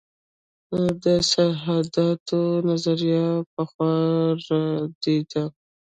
د سرحداتو نظریه پخوا ردېده.